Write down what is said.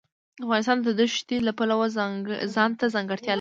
افغانستان د ښتې د پلوه ځانته ځانګړتیا لري.